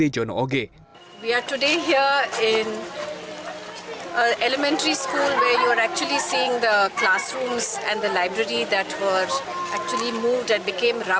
kami hari ini di pusat misinner ini di mana kami melihat klasem dan bodeg yang menggerakkan membuat berdiri